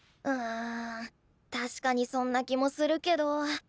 うん確かにそんな気もするけど。